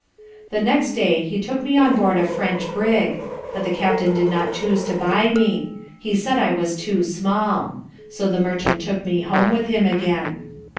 The next day he took me on board a French brig; but the Captain did not chuse to buy me: he said I was too small; so the merchant took me home with him again.